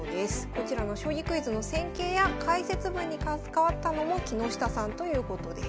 こちらの将棋クイズの戦型や解説文に関わったのも木下さんということです。